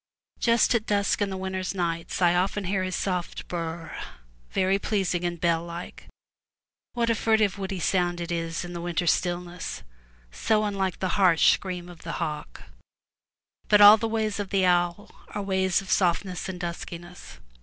Just at dusk in the winter nights, I often hear his soft bur r r r, very pleasing and bell like. What a furtive, woody sound it is in the winter stillness, so unlike the harsh scream of the hawk. But all the ways of the owl are ways of softness and duskiness.